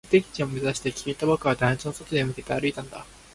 目的地を目指して、君と僕は団地の外へ向けて歩いたんだ